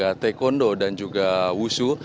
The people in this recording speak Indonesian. dari cabang olahraga taekwondo dan juga wusu